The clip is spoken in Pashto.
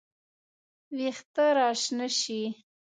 وېښته راشنه شي